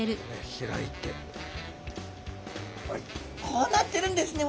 こうなってるんですね。